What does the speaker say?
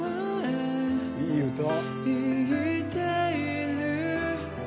いい歌。